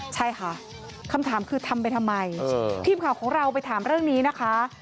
ใช่ค่ะคำถามคือทำไปทำไมทีมข่าวของเราไปถามเรื่องนี้นะคะ